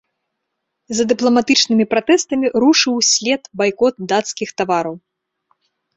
За дыпламатычнымі пратэстамі рушыў услед байкот дацкіх тавараў.